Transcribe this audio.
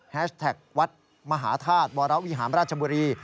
แท็กวัดมหาธาตุวรวิหารราชบุรี